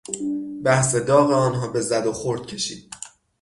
بحث داغ آنها به زد و خورد کشید.